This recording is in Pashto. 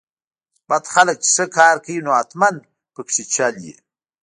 بد خلک چې ښه کار کوي نو حتماً پکې چل وي.